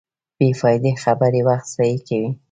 بېفائدې خبرې وخت ضایع کوي.